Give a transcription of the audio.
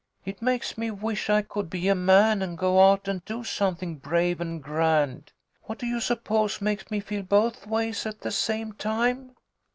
It makes me wish I could be a man, and go out and do something brave and grand. What do you suppose makes me feel both ways at the same time